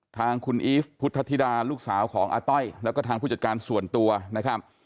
ทางคุณอีฟพุทธธิดาลูกสาวของอาต้อยแล้วก็ทางผู้จัดการส่วนตัวนะครับ